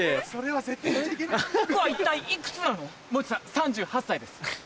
３８歳です。